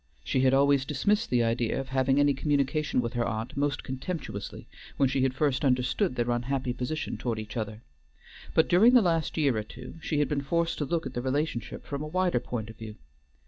She had always dismissed the idea of having any communication with her aunt most contemptuously when she had first understood their unhappy position toward each other; but during the last year or two she had been forced to look at the relationship from a wider point of view.